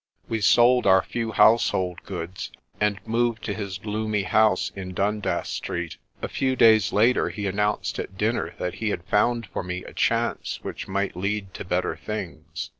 We sold our few household goods, and moved to his gloomy house in Dundas Street. A few days later he announced at dinner that he had found for me a chance which might lead to better things.